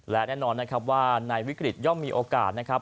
และแน่นอนนะครับว่าในวิกฤตย่อมมีโอกาสนะครับ